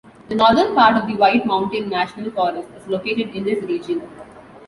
The northern part of the White Mountain National Forest is located in this region.